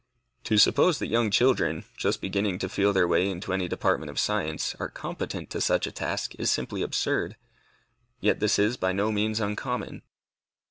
To suppose that young children, just beginning to feel their way into any department of science, are competent to such a task, is simply absurd. Yet this is by no means uncommon.